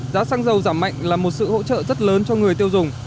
giá xăng dầu giảm mạnh là một sự hỗ trợ rất lớn cho người tiêu dùng